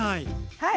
はい。